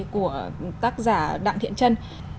của tác giả đặng thiện trân